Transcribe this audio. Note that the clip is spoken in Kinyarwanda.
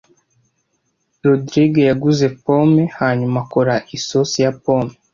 Rogride yaguze pome hanyuma akora isosi ya pome.